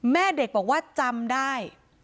แม่เด็กบอกว่าจำได้